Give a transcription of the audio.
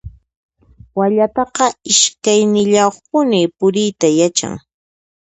Wallataqa iskaynillayuqpuni puriyta yachan.